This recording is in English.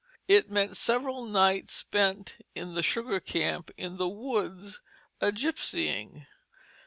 It meant several nights spent in the sugar camp in the woods, a gypsying.